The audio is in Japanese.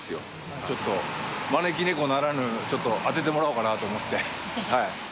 ちょっと、招きネコならぬ、ちょっと当ててもらおうかなと思って。